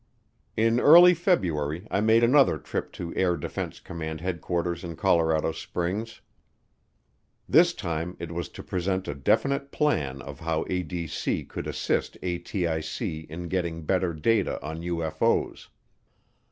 In early February I made another trip to Air Defense Command Headquarters in Colorado Springs. This time it was to present a definite plan of how ADC could assist ATIC in getting better data on UFO's.